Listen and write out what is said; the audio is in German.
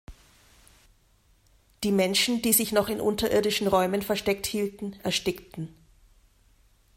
Die Menschen, die sich noch in unterirdischen Räumen versteckt hielten, erstickten.